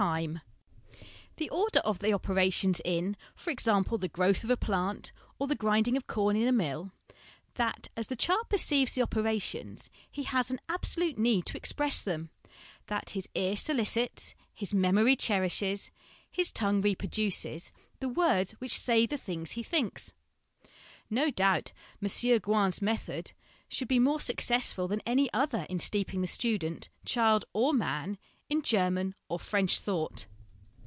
LESSONS AS INSTRUMENTS OF EDUCATION 303 the order of the operations in, for example, the growth of a plant, or the grinding of corn in a mill ; that, as the child perceives the operations, he has an absolute need to express them ; that his ear solicits, his memory cherishes, his tongue reproduces, the words which say the thing he thinks. No doubt M. Gouin's method should be more successful than any other in steeping the student (child or man) in German or French thought.